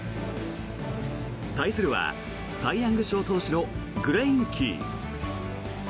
対するはサイ・ヤング賞投手のグレインキー。